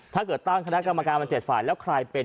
ถ้าเกิดต้องสถานกรรมการวัน๗สายแล้วใครเป็น